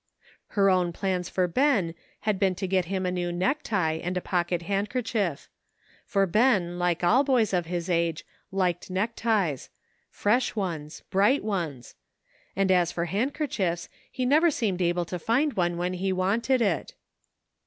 Her own plans for Ben had been to get him a new necktie, and a pocket handkerchief ; for Ben, like all boys of his age, liked neckties — fresh ones, bright ones — and as for handker 302 GttEAT QUESTIONS SETTLED. chiefs, he never seemed able to find one when he wanted it.